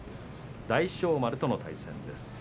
大翔丸との対戦です。